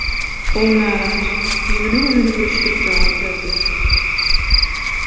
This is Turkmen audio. Ol nälaç, ýüzüni-gözüni bürüşdirip jogap berdi: